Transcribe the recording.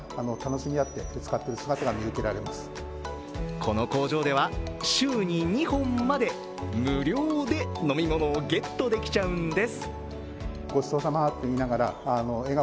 この工場では週に２本まで無料で飲み物をゲットできちゃうんです。